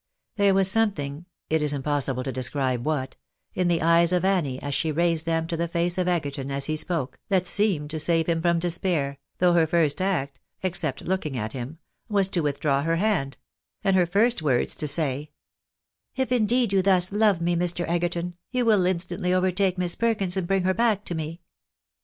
There was a something (it is impossible to describe what) in the eyes of Annie as she raised them to the face of Egerton as he spoke, that seemed to save him from despair, though her first act (except looking at him) was to withdraw her hand ; and her first words to say —" If indeed you thus love me, Mr. Egerton, you will instantly overtake Miss Perkins, and bring her back to me."